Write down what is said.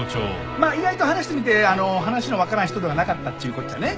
まあ意外と話してみて話のわからん人ではなかったっちゅうこっちゃね。